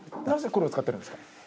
なぜ、これを使ってるんですか？